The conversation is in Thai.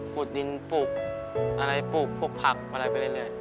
ขุดดินปลูกอะไรปลูกปลูกผักอะไรไปเรื่อย